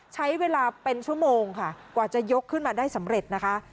ใช้เวลาเป็นชั่วโมงค่ะกว่าจะยกขึ้นมาได้สำเร็จนะคะ